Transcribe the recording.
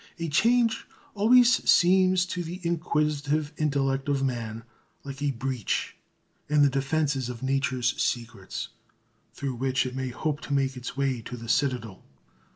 A change always seems to the inquisitive intellect of man like a breach in the defences of Nature's secrets, through which it may hope to make its way to the citadel.